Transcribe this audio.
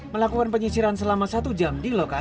melakukan penyisiran selama satu jam